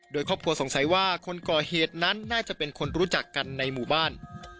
โดยครอบครัวสงสัยว่าคนก่อเหตุนั้นน่าจะเป็นคนรู้จักกันในหมู่บ้าน